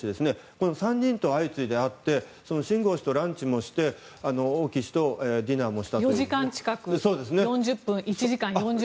この３人と相次いで会ってシン・ゴウ氏とランチもして王毅氏とディナーもしたということで。